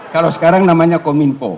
kalau sekarang namanya kominpo